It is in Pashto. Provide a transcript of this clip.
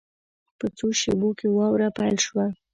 په څو شېبو کې واوره پیل شوه.